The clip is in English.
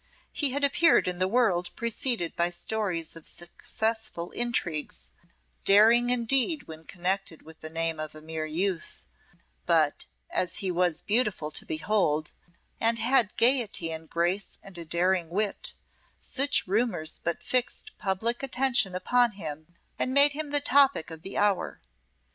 He had appeared in the world preceded by stories of successful intrigues, daring indeed when connected with the name of a mere youth; but as he was beautiful to behold, and had gayety and grace and a daring wit, such rumours but fixed public attention upon him and made him the topic of the hour.